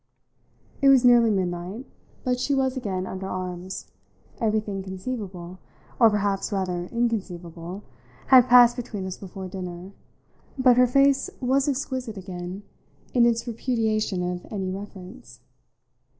It was nearly midnight, but she was again under arms; everything conceivable or perhaps rather inconceivable had passed between us before dinner, but her face was exquisite again in its repudiation of any reference.